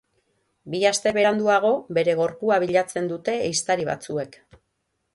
Bi aste beranduago, bere gorpua bilatzen dute ehiztari batzuek.